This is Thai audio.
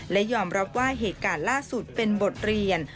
และยอมรับว่าเหตุการณ์ล่าสุดเป็นบทเรียน